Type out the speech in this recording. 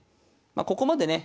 ここまでね